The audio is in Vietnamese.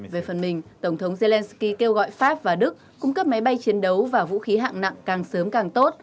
về phần mình tổng thống zelensky kêu gọi pháp và đức cung cấp máy bay chiến đấu và vũ khí hạng nặng càng sớm càng tốt